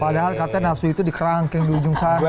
padahal katanya nafsu itu di kerangkeng di ujung sana